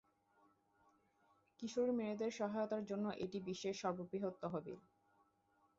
কিশোরী মেয়েদের সহায়তার জন্য এটি বিশ্বের সর্ববৃহৎ তহবিল।